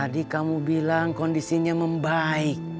tadi kamu bilang kondisinya membaik